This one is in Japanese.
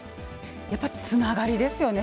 やっぱつながりですよね